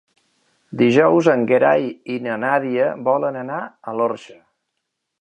Dijous en Gerai i na Nàdia volen anar a l'Orxa.